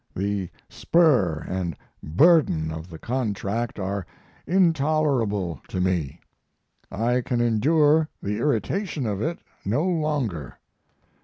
The spur and burden of the contract are intolerable to me. I can endure the irritation of it no longer.